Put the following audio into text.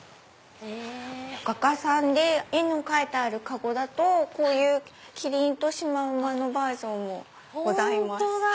画家さんで絵の描いてある籠だとこういうキリンとシマウマのバージョンもございます。